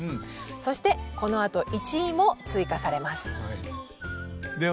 そしてこのあと１位も追加されます。